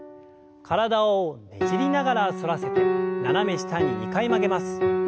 体をねじりながら反らせて斜め下に２回曲げます。